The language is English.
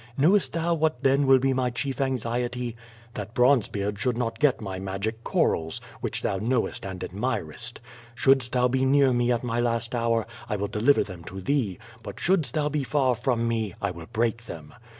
Knowest thou what then will be my chief anxiety, that Bronzebeard should not get my magic corals, which thou knowest and admirest. Shouldst thou be near me at my last hour, I will deliver them to thee, but shouldst thou be far from me, I will break them.